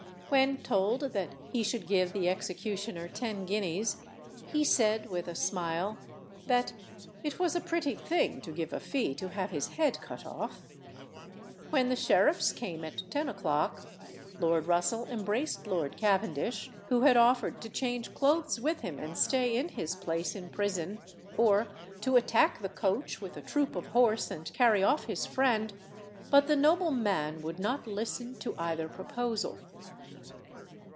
When told that he should give the executioner ten guineas, he said, with a smile, that it was a pretty thing to give a fee to have his head cut off. When the sheriffs came at ten o'clock, Lord Russell embraced Lord Cavendish, who had offered to change clothes with him and stay in his place in prison, or to attack the coach with a troop of horse and carry off his friend; but the noble man would not listen to either proposal.